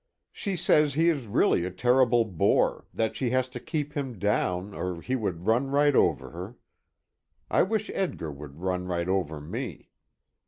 She says he is really a terrible bore; that she has to keep him down or he would run right over her. I wish Edgar would run right over me.